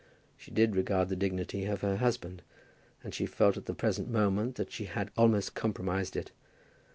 She did regard the dignity of her husband, and she felt at the present moment that she had almost compromised it.